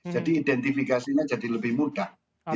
jadi identifikasinya jadi lebih mudah